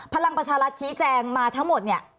พลังประชารัฐชี้แจงมาทั้งหมดเนี่ย